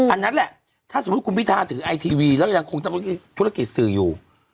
อันนั้นแหละถ้าสมมุติคุณพิทาถือไอทีวีแล้วยังคงทำธุรกิจสื่ออยู่